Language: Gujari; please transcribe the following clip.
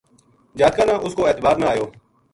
جاتکاں نا اس کو اعتبار نہ آیو